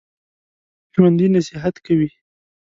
ژوندي نصیحت کوي